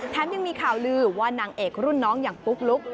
ยังมีข่าวลือว่านางเอกรุ่นน้องอย่างปุ๊กลุ๊ก